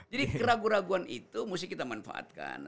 jadi keraguan keraguan itu mesti kita manfaatkan